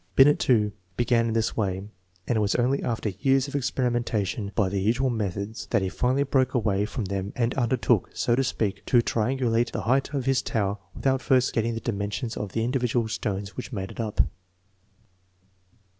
Binet, too, began in this way, and it was only after years of experi mentation by the usual methods that he finally broke away from them and undertook, so to speak, to triangulate the height of his tower without first getting the dimensions of the individual stones which made it up.